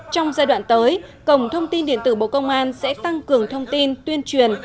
trong giai đoạn tới cổng thông tin điện tử bộ công an sẽ tăng cường thông tin tuyên truyền